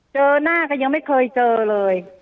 เจอหน้ากันยังไม่เคยเจอเลย